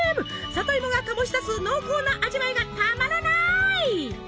里芋が醸し出す濃厚な味わいがたまらない！